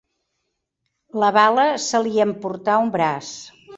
La bala se li emportà un braç.